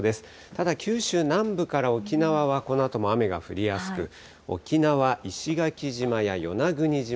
ただ九州南部から沖縄は、このあとも雨が降りやすく、沖縄・石垣島や与那国島、